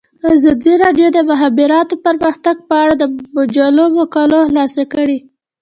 ازادي راډیو د د مخابراتو پرمختګ په اړه د مجلو مقالو خلاصه کړې.